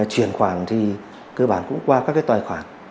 chuyển khoản thì cơ bản cũng qua các tài khoản